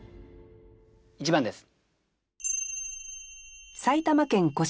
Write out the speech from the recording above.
１番です。